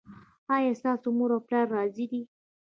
ایا ستاسو مور او پلار راضي دي؟